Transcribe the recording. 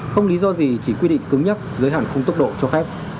không lý do gì chỉ quy định cứng nhắc giới hạn không tốc độ cho phép